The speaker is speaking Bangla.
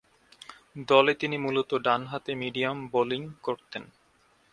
দলে তিনি মূলতঃ ডানহাতে মিডিয়াম বোলিং করতেন।